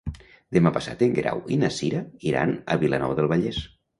Demà passat en Guerau i na Cira iran a Vilanova del Vallès.